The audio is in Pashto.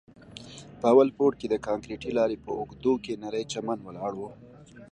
په اول پوړ کښې د کانکريټي لارې په اوږدو کښې نرى چمن ولاړ و.